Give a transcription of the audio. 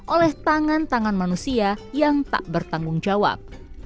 oleh tangan tangan manusia yang tak bertanggung jawab